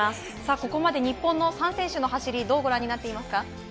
ここまで日本の３選手の走りをどうご覧になっていますか。